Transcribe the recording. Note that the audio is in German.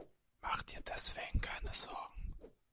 Mach dir deswegen keine Sorgen.